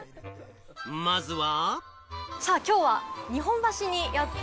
まずは。